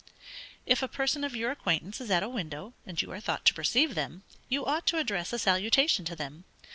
_ If a person of your acquaintance is at a window, and you are thought to perceive them, you ought to address a salutation to them.